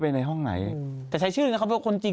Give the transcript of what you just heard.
พันทิศไปห้องไหนไม่ได้ไปในห้องไหน